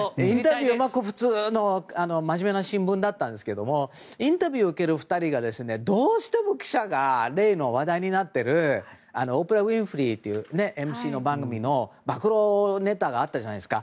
普通の真面目な新聞だったんですがインタビューを受ける２人がどうしても記者が例の話題になっているオプラ・ウィンフリーというＭＣの番組の暴露ネタがあったじゃないですか。